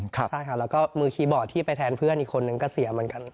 ใช่ค่ะแล้วก็มือคีย์บอร์ดที่ไปแทนเพื่อนอีกคนนึงก็เสียเหมือนกัน